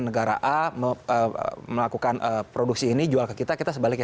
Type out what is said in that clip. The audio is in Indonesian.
negara a melakukan produksi ini jual ke kita kita sebaliknya